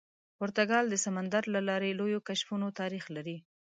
پرتګال د سمندر له لارې لویو کشفونو تاریخ لري.